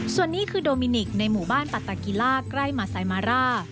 ส่วนนี้คือโดมินิกในหมู่บ้านปัตตากิล่าใกล้มาไซมาร่า